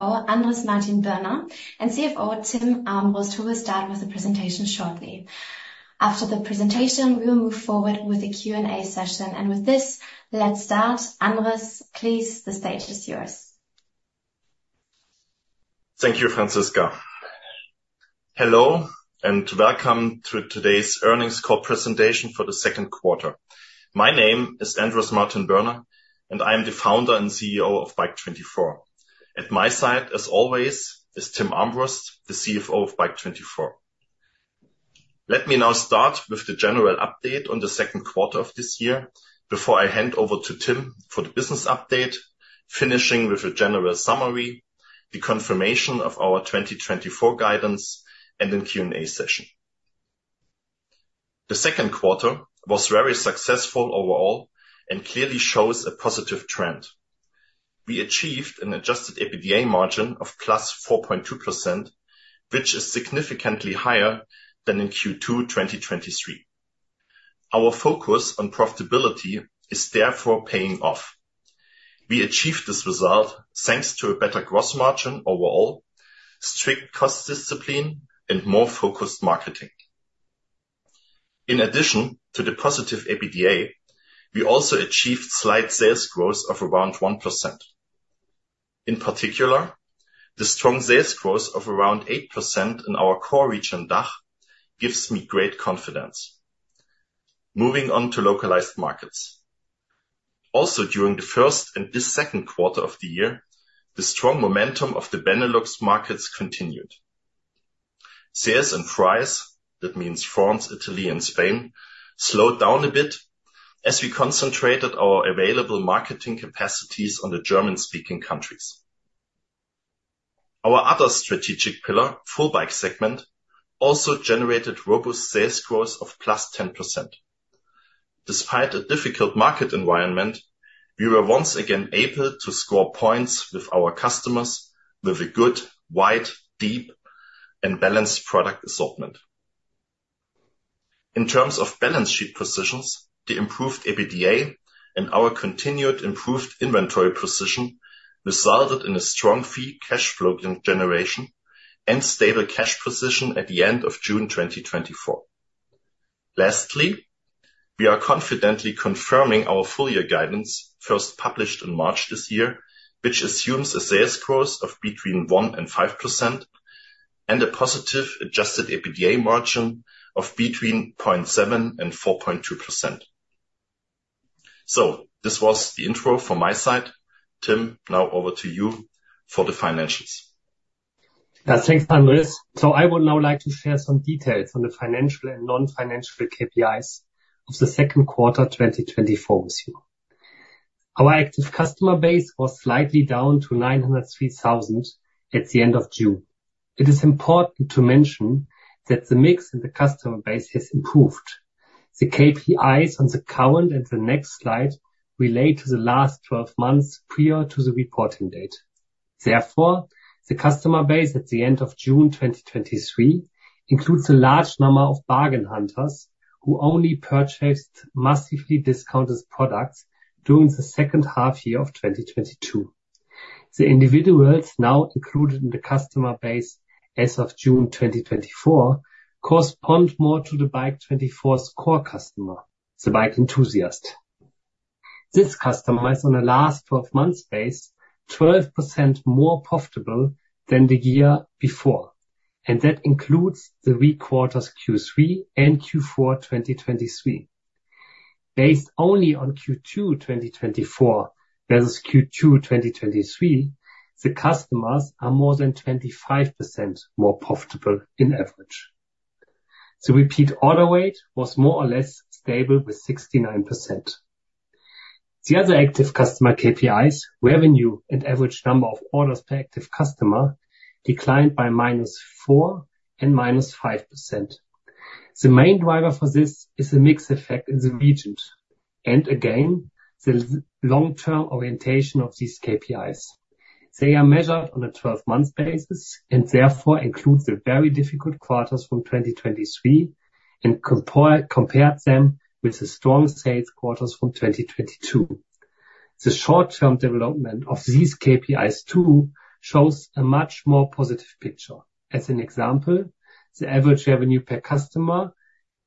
Andrés Martin-Birner and CFO Timm Armbrust, who will start with the presentation shortly. After the presentation, we will move forward with the Q&A session. With this, let's start. Andrés, please, the stage is yours. Thank you, Franziska. Hello, and welcome to today's earnings call presentation for the Q2. My name is Andrés Martin-Birner, and I am the founder and CEO of Bike24. At my side, as always, is Timm Armbrust, the CFO of Bike24. Let me now start with the general update on the Q2 of this year before I hand over to Tim for the business update, finishing with a general summary, the confirmation of our 2024 guidance, and the Q&A session. The Q2 was very successful overall and clearly shows a positive trend. We achieved an adjusted EBITDA margin of +4.2%, which is significantly higher than in Q2 2023. Our focus on profitability is therefore paying off. We achieved this result thanks to a better gross margin overall, strict cost discipline, and more focused marketing. In addition to the positive EBITDA, we also achieved slight sales growth of around 1%. In particular, the strong sales growth of around 8% in our core region, DACH, gives me great confidence. Moving on to localized markets. Also, during the first and this Q2 of the year, the strong momentum of the Benelux markets continued. Southern Europe, that means France, Italy, and Spain, slowed down a bit as we concentrated our available marketing capacities on the German-speaking countries. Our other strategic pillar, Full-bike segment, also generated robust sales growth of +10%. Despite a difficult market environment, we were once again able to score points with our customers with a good, wide, deep, and balanced product assortment. In terms of balance sheet positions, the improved EBITDA and our continued improved inventory position resulted in a strong free cash flow generation and stable cash position at the end of June 2024. Lastly, we are confidently confirming our full year guidance, first published in March this year, which assumes a sales growth of between 1% and 5% and a positive adjusted EBITDA margin of between 0.7% and 4.2%. This was the intro from my side. Tim, now over to you for the financials. Thanks, Andrés. I would now like to share some details on the financial and non-financial KPIs of the Q2, 2024, with you. Our active customer base was slightly down to 903,000 at the end of June. It is important to mention that the mix in the customer base has improved. The KPIs on the current and the next slide relate to the last 12 months prior to the reporting date. Therefore, the customer base at the end of June 2023 includes a large number of bargain hunters who only purchased massively discounted products during the second half year of 2022. The individuals now included in the customer base as of June 2024 correspond more to the Bike24's core customer, the bike enthusiast. This customer is, on a last 12-month base, 12% more profitable than the year before, and that includes the weak quarters Q3 and Q4, 2023. Based only on Q2, 2024, versus Q2, 2023, the customers are more than 25% more profitable in average. The repeat order rate was more or less stable, with 69%. The other active customer KPIs, revenue and average number of orders per active customer, declined by -4% and -5%. The main driver for this is the mix effect in the regions, and again, the long-term orientation of these KPIs. They are measured on a 12-month basis, and therefore include the very difficult quarters from 2023, and compared them with the strong sales quarters from 2022. The short-term development of these KPIs, too, shows a much more positive picture. As an example, the average revenue per customer,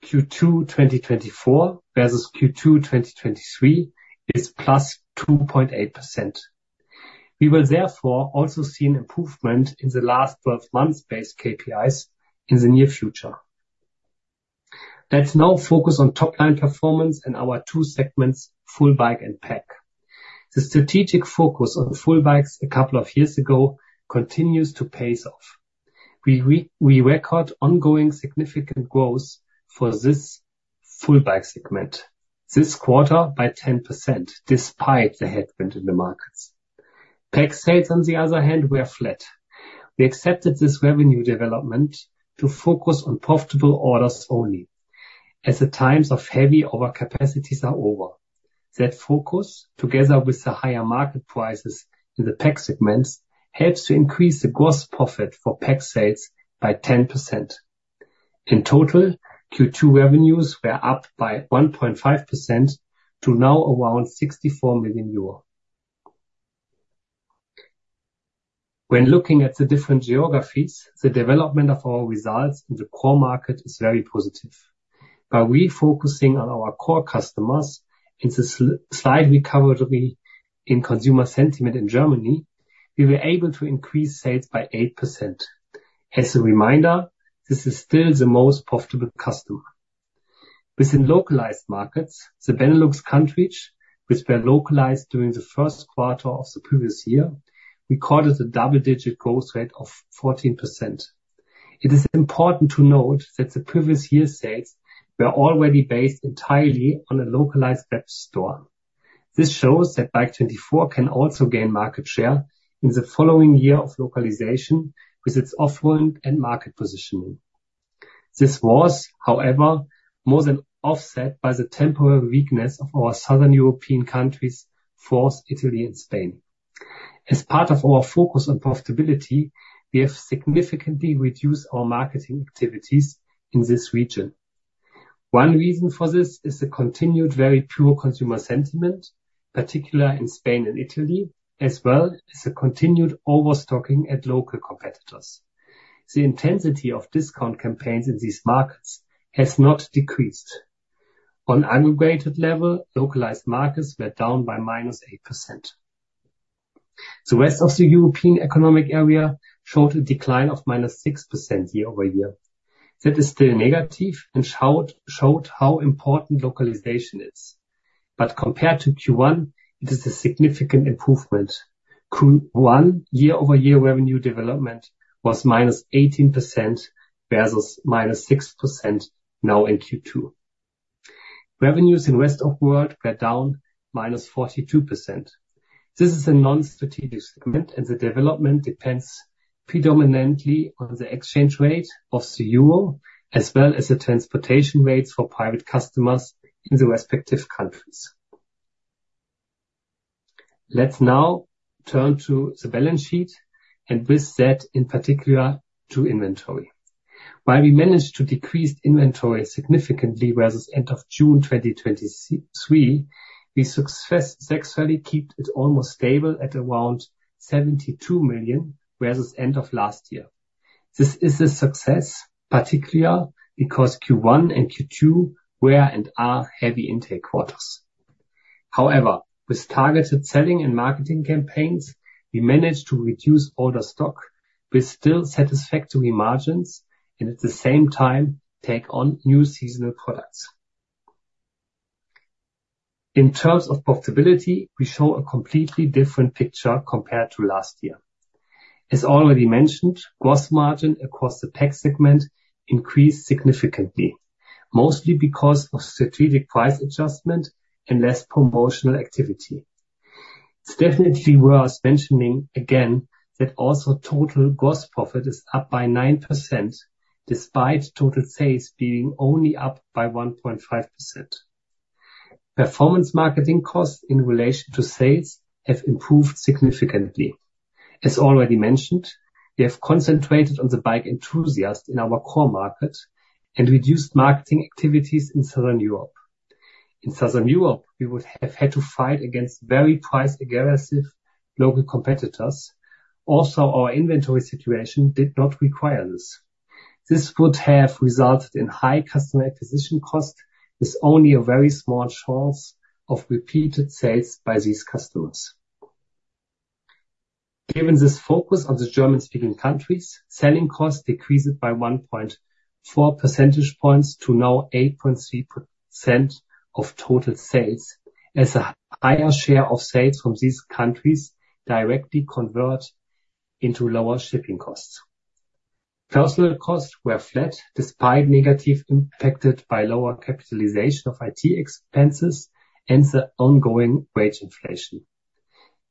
Q2 2024, versus Q2 2023, is +2.8%. We will therefore also see an improvement in the last 12 months-based KPIs in the near future. Let's now focus on top-line performance in our two segments, full-bike and PAC. The strategic focus on full-bikes a couple of years ago continues to pay us off. We record ongoing significant growth for this full-bike segment, this quarter by 10%, despite the headwind in the markets. PAC sales, on the other hand, were flat. We accepted this revenue development to focus on profitable orders only, as the times of heavy overcapacities are over. That focus, together with the higher market prices in the PAC segments, helps to increase the gross profit for PAC sales by 10%. In total, Q2 revenues were up by 1.5% to now around EUR 64 million. When looking at the different geographies, the development of our results in the core market is very positive. By refocusing on our core customers and the slight recovery in consumer sentiment in Germany, we were able to increase sales by 8%. As a reminder, this is still the most profitable customer. Within localized markets, the Benelux countries, which were localized during the Q1 of the previous year, recorded a double-digit growth rate of 14%. It is important to note that the previous year's sales were already based entirely on a localized web store. This shows that Bike24 can also gain market share in the following year of localization with its offering and market positioning. This was, however, more than offset by the temporary weakness of our Southern European countries, France, Italy, and Spain. As part of our focus on profitability, we have significantly reduced our marketing activities in this region. One reason for this is the continued very poor consumer sentiment, particularly in Spain and Italy, as well as the continued overstocking at local competitors. The intensity of discount campaigns in these markets has not decreased. On aggregated level, localized markets were down by -8%. The rest of the European Economic Area showed a decline of -6% year-over-year. That is still negative and showed how important localization is. But compared to Q1, it is a significant improvement. Q1 year-over-year revenue development was -18%, versus -6% now in Q2. Revenues in Rest of World were down -42%. This is a non-strategic segment, and the development depends predominantly on the exchange rate of the euro, as well as the transportation rates for private customers in the respective countries. Let's now turn to the balance sheet, and with that, in particular, to inventory. While we managed to decrease inventory significantly, whereas at end of June 2023, we successfully kept it almost stable at around 72 million, whereas at end of last year. This is a success, particularly because Q1 and Q2 were and are heavy intake quarters. However, with targeted selling and marketing campaigns, we managed to reduce older stock with still satisfactory margins and at the same time take on new seasonal products. In terms of profitability, we show a completely different picture compared to last year. As already mentioned, gross margin across the PAC segment increased significantly, mostly because of strategic price adjustment and less promotional activity. It's definitely worth mentioning again that also total gross profit is up by 9%, despite total sales being only up by 1.5%. Performance marketing costs in relation to sales have improved significantly. As already mentioned, we have concentrated on the bike enthusiasts in our core market and reduced marketing activities in Southern Europe. In Southern Europe, we would have had to fight against very price-aggressive local competitors, also, our inventory situation did not require this. This would have resulted in high customer acquisition cost, with only a very small chance of repeated sales by these customers. Given this focus on the German-speaking countries, selling costs decreased by 1.4 percentage points to now 8.3% of total sales, as a higher share of sales from these countries directly convert into lower shipping costs. Personal costs were flat, despite negatively impacted by lower capitalization of IT expenses and the ongoing wage inflation.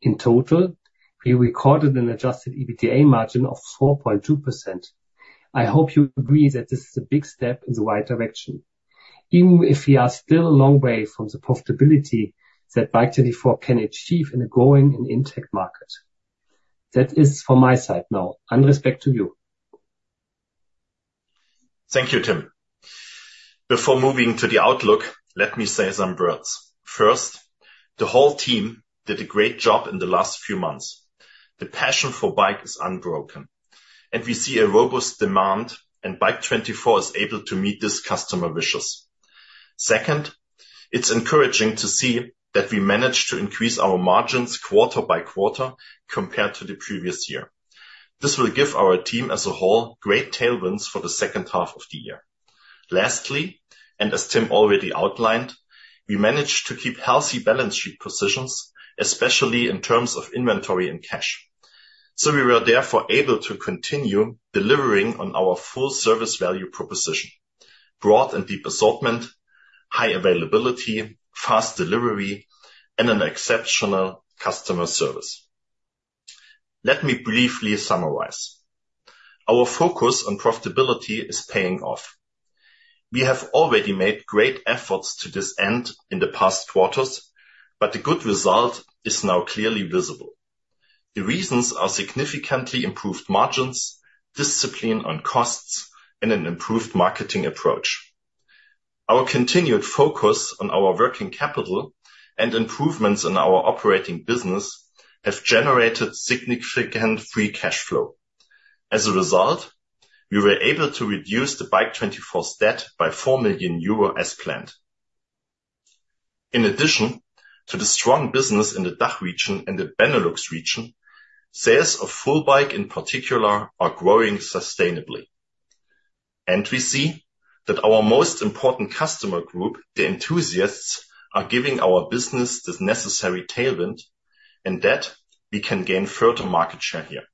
In total, we recorded an Adjusted EBITDA margin of 4.2%. I hope you agree that this is a big step in the right direction, even if we are still a long way from the profitability that Bike24 can achieve in a growing and intact market. That is for my side now. Andrés, back to you. Thank you, Tim. Before moving to the outlook, let me say some words. First, the whole team did a great job in the last few months. The passion for bike is unbroken, and we see a robust demand, and Bike24 is able to meet this customer wishes. Second, it's encouraging to see that we managed to increase our margins quarter by quarter compared to the previous year. This will give our team as a whole great tailwinds for the second half of the year. Lastly, and as Tim already outlined, we managed to keep healthy balance sheet positions, especially in terms of inventory and cash. So we were therefore able to continue delivering on our full service value proposition, broad and deep assortment, high availability, fast delivery, and an exceptional customer service. Let me briefly summarize. Our focus on profitability is paying off.... We have already made great efforts to this end in the past quarters, but the good result is now clearly visible. The reasons are significantly improved margins, discipline on costs, and an improved marketing approach. Our continued focus on our working capital and improvements in our operating business have generated significant free cash flow. As a result, we were able to reduce the Bike24 debt by 4 million euro as planned. In addition to the strong business in the DACH region and the Benelux region, sales of full bike in particular are growing sustainably. We see that our most important customer group, the enthusiasts, are giving our business the necessary tailwind, and that we can gain further market share here.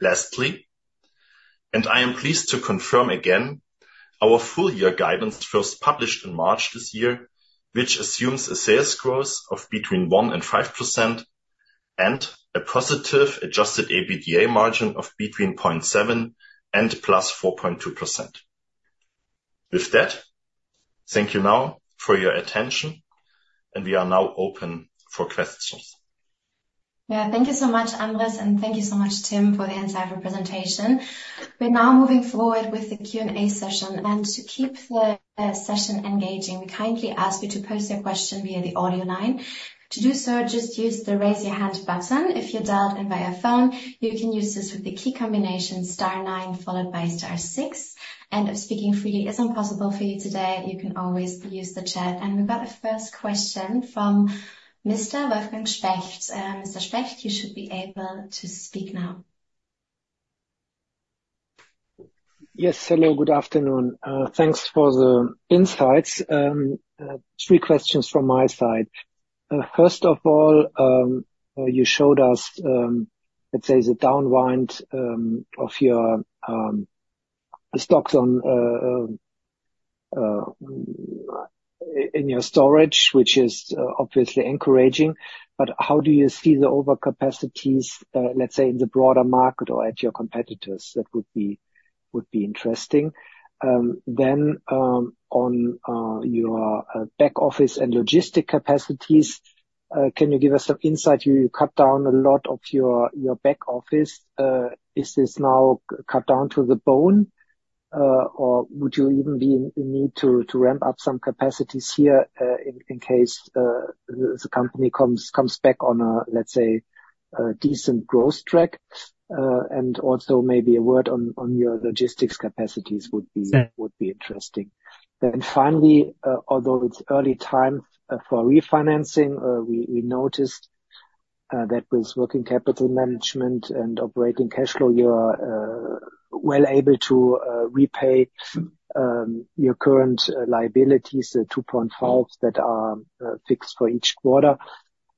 Lastly, and I am pleased to confirm again our full year guidance, first published in March this year, which assumes a sales growth of between 1% and 5%, and a positive adjusted EBITDA margin of between 0.7% and +4.2%. With that, thank you now for your attention, and we are now open for questions. Yeah, thank you so much, Andrés, and thank you so much, Timm, for the insightful presentation. We're now moving forward with the Q&A session. And to keep the session engaging, we kindly ask you to post your question via the audio line. To do so, just use the Raise Your Hand button. If you're dialed in via phone, you can use this with the key combination star nine followed by star six. And if speaking freely is impossible for you today, you can always use the chat. And we've got a first question from Mr. Wolfgang Specht. Mr. Specht, you should be able to speak now. Yes, hello, good afternoon. Thanks for the insights. Three questions from my side. First of all, you showed us, let's say, the drawdown of your stock in your storage, which is obviously encouraging, but how do you see the overcapacities, let's say, in the broader market or at your competitors? That would be interesting. Then, on your back office and logistics capacities, can you give us some insight? You cut down a lot of your back office. Is this now cut down to the bone, or would you even be in need to ramp up some capacities here, in case the company comes back on a decent growth track? And also maybe a word on your logistics capacities would be- Yeah... would be interesting. Then finally, although it's early time for refinancing, we noticed that with working capital management and operating cash flow, you are well able to repay your current liabilities, the EUR 2.5s that are fixed for each quarter.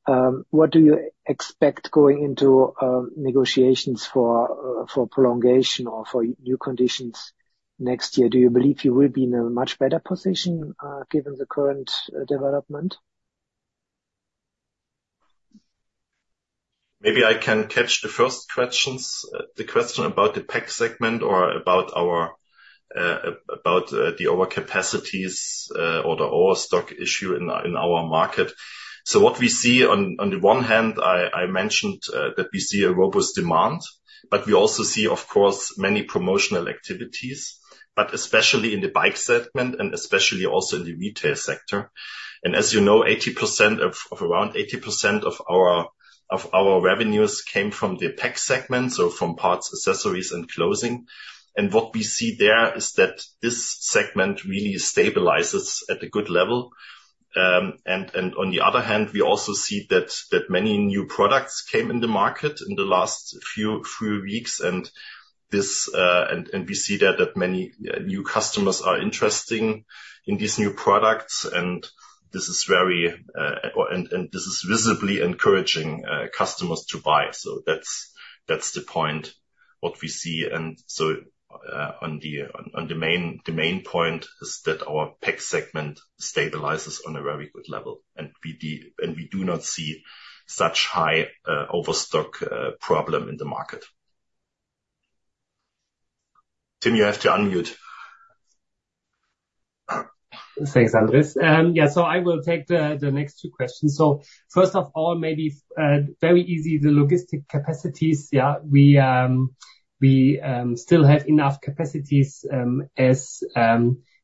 What do you expect going into negotiations for prolongation or for new conditions next year? Do you believe you will be in a much better position given the current development? Maybe I can catch the first questions. The question about the PAC segment or about our overcapacities or the overstock issue in our market. So what we see on the one hand, I mentioned that we see a robust demand, but we also see, of course, many promotional activities, but especially in the bike segment and especially also in the retail sector. And as you know, around 80% of our revenues came from the PAC segment, so from parts, accessories and clothing. And what we see there is that this segment really stabilizes at a good level. On the other hand, we also see that many new products came in the market in the last few weeks, and we see that many new customers are interested in these new products, and this is very visibly encouraging customers to buy. So that's the point what we see. And so, the main point is that our PAC segment stabilizes on a very good level, and we do not see such high overstock problem in the market. Tim, you have to unmute. Thanks, Andrés. Yeah, so I will take the next two questions. So first of all, maybe very easy, the logistics capacities. Yeah, we still have enough capacities, as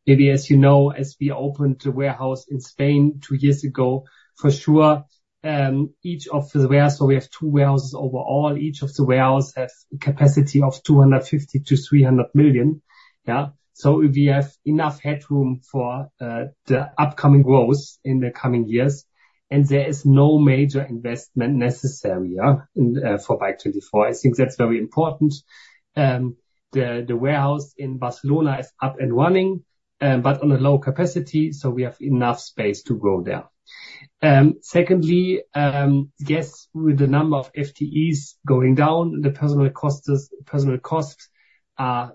maybe you know, as we opened the warehouse in Spain two years ago, for sure, each of the warehouse, so we have two warehouses overall. Each of the warehouse has a capacity of 250 million-300 million, yeah? So we have enough headroom for the upcoming growth in the coming years, and there is no major investment necessary, yeah, in for Bike24. I think that's very important. The warehouse in Barcelona is up and running, but on a low capacity, so we have enough space to grow there. Secondly, yes, with the number of FTEs going down, the personnel costs are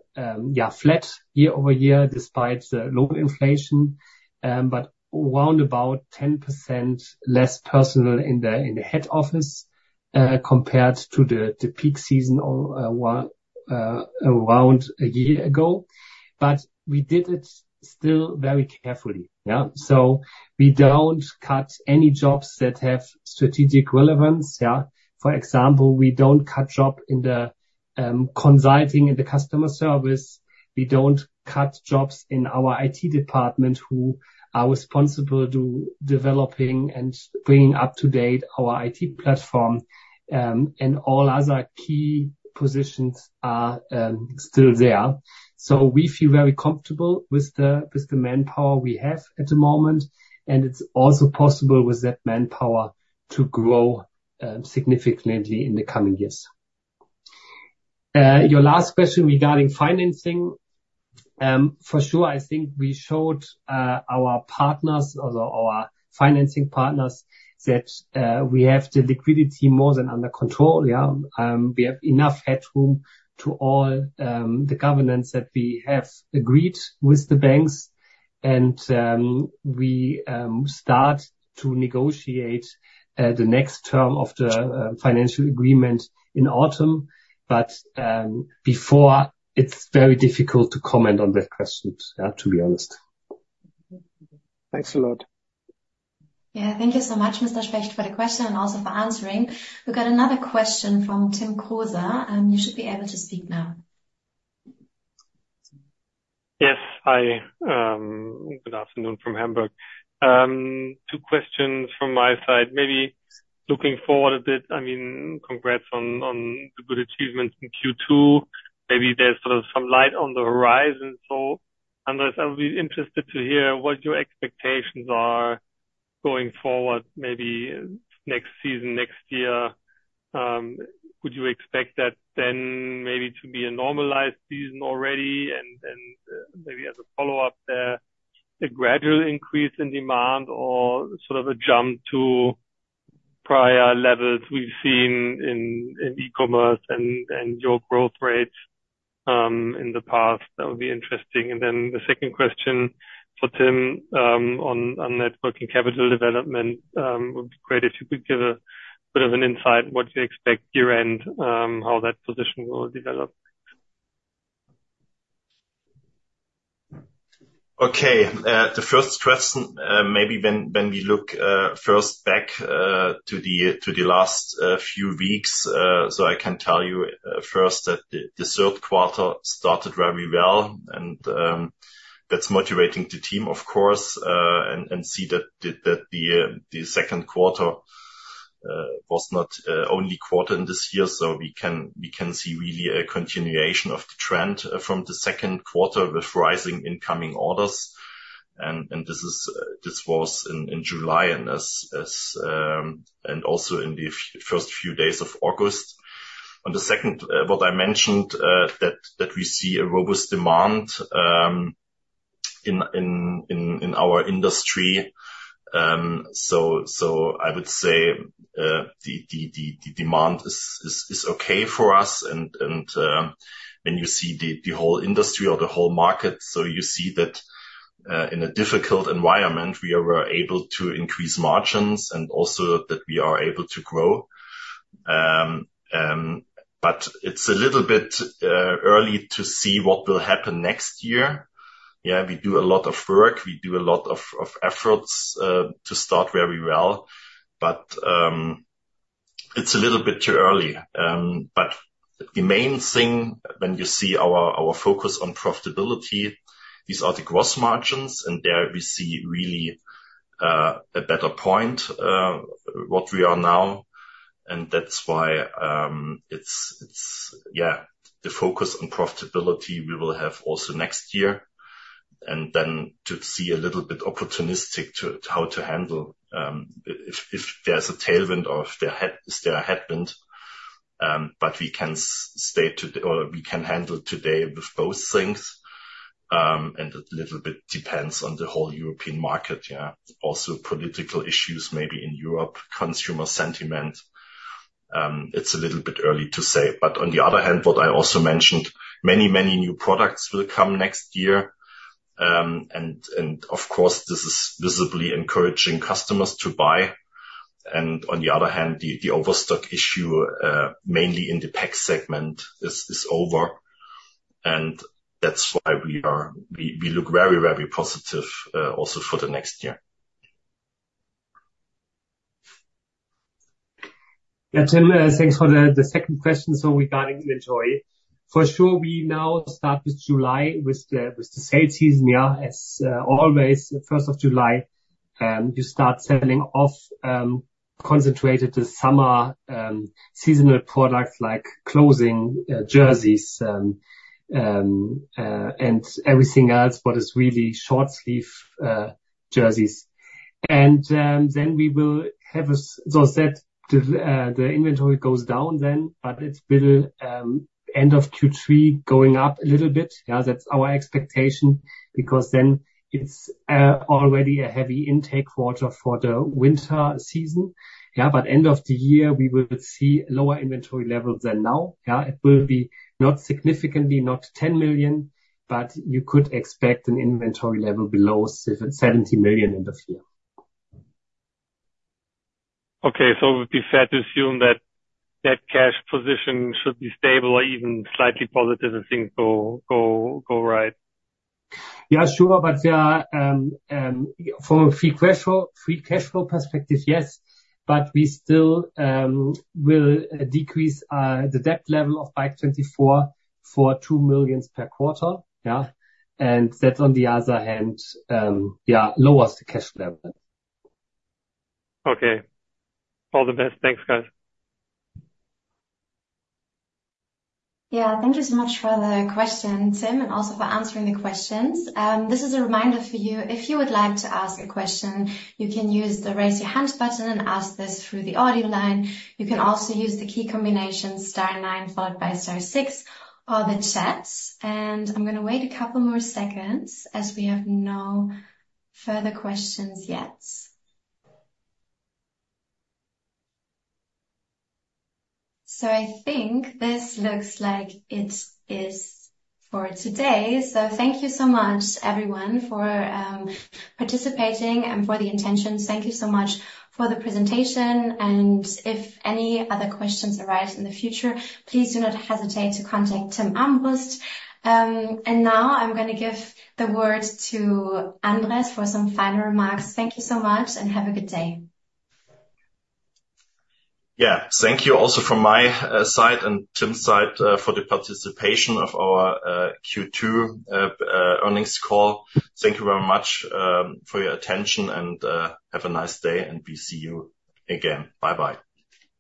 flat year-over-year, despite the local inflation, but around about 10% less personnel in the head office compared to the peak season or what-... around a year ago, but we did it still very carefully, yeah? So we don't cut any jobs that have strategic relevance, yeah. For example, we don't cut job in the consulting in the customer service. We don't cut jobs in our IT department, who are responsible to developing and bringing up to date our IT platform, and all other key positions are still there. So we feel very comfortable with the, with the manpower we have at the moment, and it's also possible with that manpower to grow significantly in the coming years. Your last question regarding financing. For sure, I think we showed our partners or our financing partners that we have the liquidity more than under control, yeah. We have enough headroom to all the governance that we have agreed with the banks, and we start to negotiate the next term of the financial agreement in autumn. But before, it's very difficult to comment on that question, yeah, to be honest. Thanks a lot. Yeah, thank you so much, Mr. Specht, for the question, and also for answering. We've got another question from Tim Kruse. You should be able to speak now. Yes. Hi, good afternoon from Hamburg. Two questions from my side. Maybe looking forward a bit, I mean, congrats on the good achievements in Q2. Maybe there's sort of some light on the horizon. So Andrés, I'll be interested to hear what your expectations are going forward, maybe next season, next year. Would you expect that then maybe to be a normalized season already? And then, maybe as a follow-up there, a gradual increase in demand or sort of a jump to prior levels we've seen in e-commerce and your growth rates in the past? That would be interesting. And then the second question for Tim, on net working capital development. Would be great if you could give a bit of an insight what you expect year-end, how that position will develop. Okay. The first question, maybe when we look first back to the last few weeks, so I can tell you first that the Q3 started very well, and that's motivating the team, of course, and see that the Q2 was not only quarter in this year. So we can see really a continuation of the trend from the Q2 with rising incoming orders, and this was in July and also in the first few days of August. On the second, what I mentioned, that we see a robust demand in our industry. So I would say the demand is okay for us. When you see the whole industry or the whole market, so you see that in a difficult environment, we are able to increase margins and also that we are able to grow. But it's a little bit early to see what will happen next year. Yeah, we do a lot of work, we do a lot of efforts to start very well, but it's a little bit too early. But the main thing, when you see our focus on profitability, these are the gross margins, and there we see really a better point what we are now. And that's why, yeah, the focus on profitability we will have also next year. And then to see a little bit opportunistic to how to handle, if there's a tailwind or if there's a headwind, but we can handle today with both things. And a little bit depends on the whole European market, yeah. Also, political issues, maybe in Europe, consumer sentiment. It's a little bit early to say, but on the other hand, what I also mentioned, many, many new products will come next year. And of course, this is visibly encouraging customers to buy. And on the other hand, the overstock issue, mainly in the PAC segment, is over, and that's why we look very, very positive, also for the next year. Yeah, Tim, thanks for the second question. So regarding inventory, for sure, we now start with July, with the sales season, yeah. As always, the first of July, you start selling off concentrated the summer seasonal products like clothing, jerseys, and everything else, but it's really short sleeve jerseys. And then we will have a-- So that the inventory goes down then, but it's been end of Q3, going up a little bit. Yeah, that's our expectation, because then it's already a heavy intake quarter for the winter season. Yeah, but end of the year, we will see lower inventory levels than now, yeah. It will be not significantly, not 10 million, but you could expect an inventory level below 70 million end of year. Okay, so it would be fair to assume that that cash position should be stable or even slightly positive, if things go right? Yeah, sure. But, yeah, from a free cash flow perspective, yes, but we still will decrease the debt level of Bike24 for 2 million per quarter, yeah? And that, on the other hand, yeah, lowers the cash level. Okay. All the best. Thanks, guys. Yeah, thank you so much for the question, Tim, and also for answering the questions. This is a reminder for you, if you would like to ask a question, you can use the Raise Your Hand button and ask this through the audio line. You can also use the key combination star nine followed by star six or the chat. And I'm gonna wait a couple more seconds as we have no further questions yet. So I think this looks like it is for today. So thank you so much everyone, for participating and for the intentions. Thank you so much for the presentation, and if any other questions arise in the future, please do not hesitate to contact Timm Armbrust. And now I'm gonna give the word to Andrés for some final remarks. Thank you so much, and have a good day. Yeah. Thank you also from my side and Tim's side for the participation of our Q2 earnings call. Thank you very much for your attention, and have a nice day, and we see you again. Bye-bye.